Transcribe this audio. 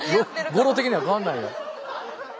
語呂的には変わんないね。